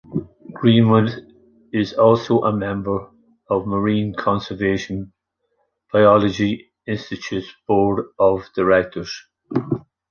Greenwood is also a member of Marine Conservation Biology Institute's Board of Directors.